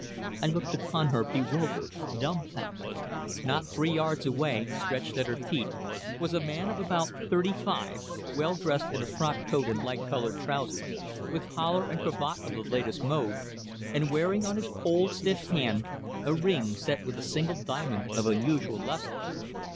I looked upon her bewildered, dumbfounded. Not three yards away, stretched at her feet, was a man of about thirty five, well dressed in frock coat and light coloured trousers, with collar and cravat of the latest mode, and wearing on his cold, stiff hand a ring set with a single diamond of unusual lustre.